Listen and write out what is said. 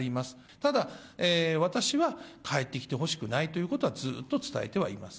ただ私は帰ってきてほしくないということはずっと伝えてはいます。